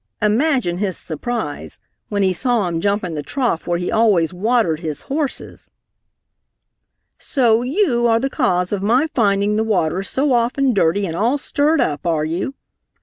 Imagine his surprise when he saw him jump in the trough where he always watered his horses! "So you are the cause of my finding the water so often dirty and all stirred up, are you?